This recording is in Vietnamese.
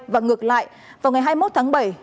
và ngược lại vào ngày hai mươi một tháng bảy